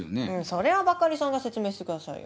それはバカリさんが説明してくださいよ。